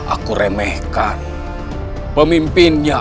aku harus membantu dia